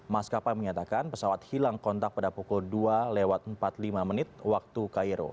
maskapai menyatakan pesawat hilang kontak pada pukul dua lewat empat puluh lima menit waktu cairo